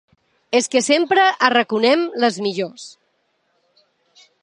És que sempre arraconem les millors!